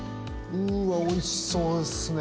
うわおいしそうですね！